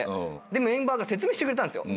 でメンバーが説明してくれたんですよ。